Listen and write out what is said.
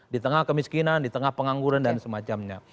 di tengah kemiskinan di tengah pengangguran dan semacamnya